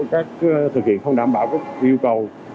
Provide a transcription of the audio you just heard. các thực hiện không đảm bảo các yêu cầu